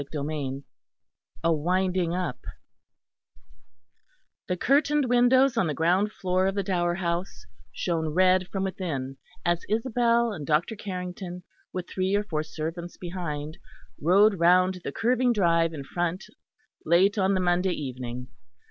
CHAPTER XII A WINDING UP The curtained windows on the ground floor of the Dower House shone red from within as Isabel and Dr. Carrington, with three or four servants behind, rode round the curving drive in front late on the Monday evening.